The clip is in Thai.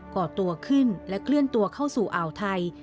ก่อตัวขึ้นและเคลื่อนตัวเข้าสู่อ่าวไทย